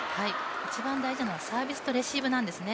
一番大事なのはサービスとレシーブなんですね。